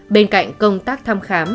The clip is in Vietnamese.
bên cạnh công tác thăm khám